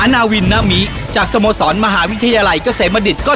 อนะวินนะมิจากสโมสรมหาวิทยาลัยเสมอดิิตเป็นตกมาดิบก็เช่นกันครับ